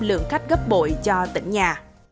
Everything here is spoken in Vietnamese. lượng khách gấp bội cho tỉnh nhà